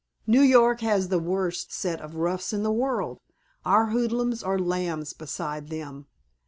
"New York has the worst set of roughs in the world. Our hoodlums are lambs beside them."